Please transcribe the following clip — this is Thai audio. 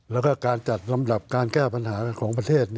แล้วก็การจัดลำดับการแก้ปัญหาของประเทศ